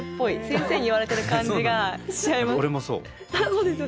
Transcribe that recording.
先生に言われてる感じがしちゃいます。